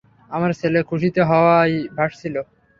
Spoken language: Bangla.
আমার ছেলে খুশীতে হাওয়ায় ভাসছিল।